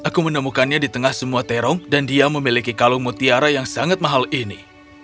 aku menemukannya di tengah semua terong dan dia memiliki kalung mutiara yang sangat mahal ini